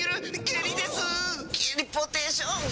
ゲリポーテーション。